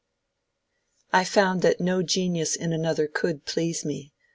I found that no genius in another could please me.